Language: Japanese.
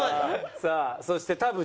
さあそして田渕。